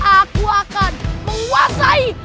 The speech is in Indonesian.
aku akan menguasai